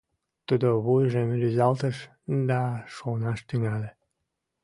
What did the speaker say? тудо вуйжым рӱзалтыш да шонаш тӱҥале.